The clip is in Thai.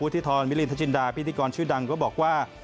ที่ทรมิลินทจินดาพิธีกรชื่อดังก็บอกว่า